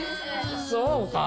そうか。